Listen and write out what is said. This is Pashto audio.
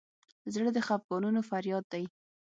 زړه د خفګانونو فریاد دی.